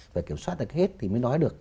phải kiểm soát được hết thì mới nói được